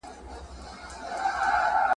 زده کونکي به په دې برخه کي څېړنې کوي.